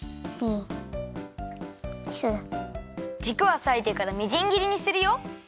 じくはさいてからみじん切りにするよ。